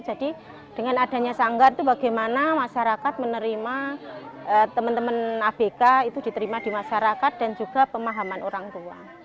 jadi dengan adanya sanggar itu bagaimana masyarakat menerima teman teman abk itu diterima di masyarakat dan juga pemahaman orang tua